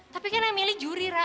tapi kan emily juri ra